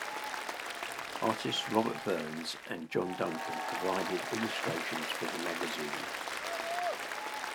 Artists Robert Burns and John Duncan provided illustrations for the magazine.